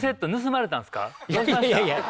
いやいや。